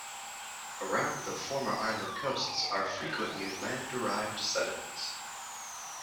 Around the former island coasts are frequently, land-derived sediments.